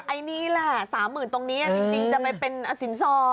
ไอ้นี่ล่ะสามหมื่นตรงนี้อ่ะจริงจริงจะไปเป็นสินสอด